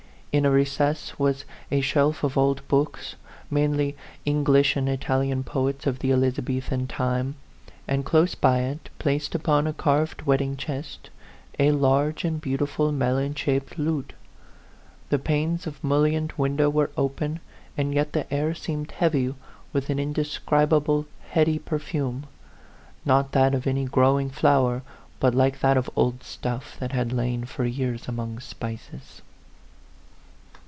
In a recess was a shelf of old books, mainly English and Italian poets of the Elizabethan time ; and close by it, placed upon a carved wedding chest, a large and beautiful melon shaped lute. The panes of the mullioned window were open, and yet the air seemed heavy with an indescribable 60 A PHANTOM LOVER heady perfume, not that of any growing flow er, but like that of old stuff that had lain for years among spices.